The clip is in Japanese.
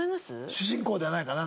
主人公ではないかな。